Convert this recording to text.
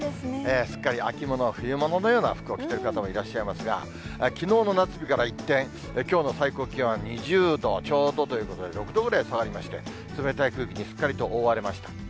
すっかり秋物、冬物のような服を着てる方もいらっしゃいますが、きのうの夏日から一転、きょうの最高気温は２０度ちょうどということで、６度ぐらい下がりまして、冷たい空気にすっかりと覆われました。